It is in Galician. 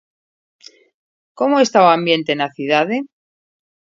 Como o está o ambiente na cidade?